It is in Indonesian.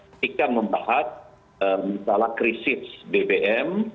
ketika membahas salah krisis bpm